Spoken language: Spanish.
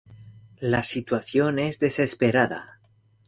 La situación es desesperada.